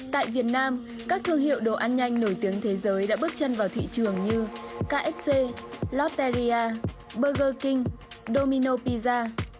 tại việt nam các thương hiệu đồ ăn nhanh nổi tiếng thế giới đã bước chân vào thị trường như kfc lotteria burger king domino piza